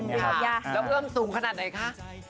แล้วเบื้องสูงขนาดไหนคะ